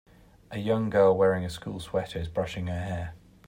A young girl wearing a school sweeter is brushing her hair.